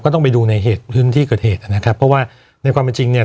ต้องไปดูในเหตุพื้นที่เกิดเหตุนะครับเพราะว่าในความเป็นจริงเนี่ย